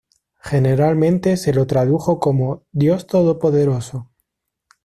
Generalmente se lo tradujo como "Dios todopoderoso".